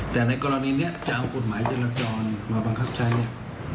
แต่ในกรณีนี้จะเอากฎหมายเจรจรมาบังคับใช้เนี่ย